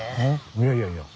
いやいやいや。